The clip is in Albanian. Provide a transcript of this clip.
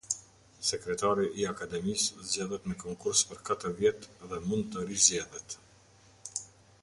Sekretari i Akademisë zgjedhet me konkurs për katër vjet dhe mund të rizgjedhet.